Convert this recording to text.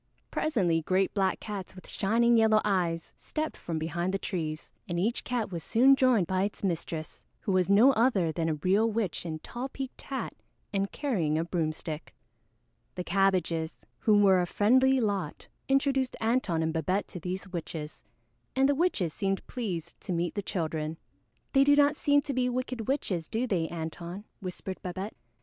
Presently great black cats with shining yellow eyes stepped from behind the trees, and each cat was soon joined by its mistress, who was no other than a real witch in tall peaked hat and carrying a broomstick. The Cabbages, who were a friendly lot, introduced Antone and Babette to these witches, and the witches seemed pleased to meet the children. "They do not seem to be wicked witches, do they, Antone?" whispered Babette.